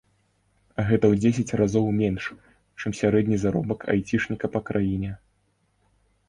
Гэта ў дзесяць разоў менш, чым сярэдні заробак айцішніка па краіне.